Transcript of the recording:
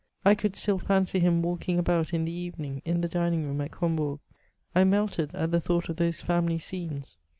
I could still fancy him walking about in the evening, in the dining room at Combourg ; I melted at the thought of those family scenes.